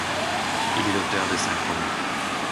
Il est l'auteur de cinq romans.